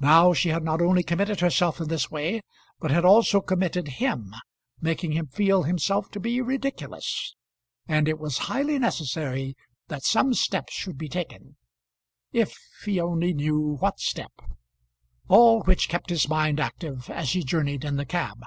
Now she had not only committed herself in this way, but had also committed him, making him feel himself to be ridiculous; and it was highly necessary that some steps should be taken; if he only knew what step! All which kept his mind active as he journeyed in the cab.